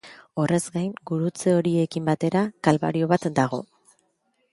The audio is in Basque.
Horrez gain, gurutze horiekin batera kalbario bat dago.